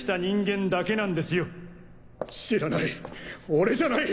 俺じゃない！